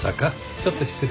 ちょっと失礼。